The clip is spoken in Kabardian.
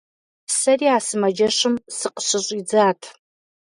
Сэри а сымаджэщым сыкъыщыщӏидзат.